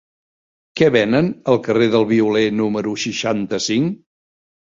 Què venen al carrer del Violer número seixanta-cinc?